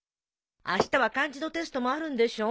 あしたは漢字のテストもあるんでしょ？